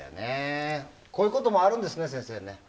こういうこともあるんですね先生。